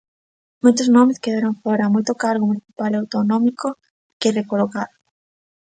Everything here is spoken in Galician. Moitos nomes quedarán fora, moito cargo municipal e autonómico que recolocar.